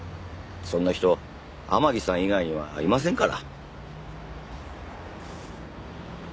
そんな人天樹さん以外にはいませんから。